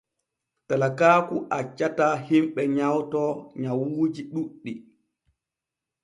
Talakaaku accataa himɓe nyawto nyawuuji ɗuuɗɗi.